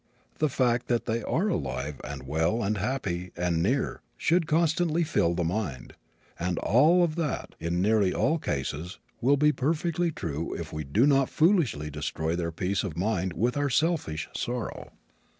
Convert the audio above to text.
The fact that they are alive and well and happy and near should constantly fill the mind; and all of that, in nearly all cases, will be perfectly true if we do not foolishly destroy their peace of mind with our selfish sorrow.